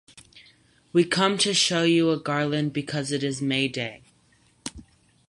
We come to show you a garland because it is May Day.